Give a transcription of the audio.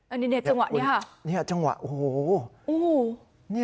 อันนี้จังหวะนี่ฮะ